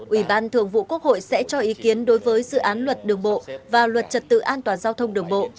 ủy ban thường vụ quốc hội sẽ cho ý kiến đối với dự án luật đường bộ và luật trật tự an toàn giao thông đường bộ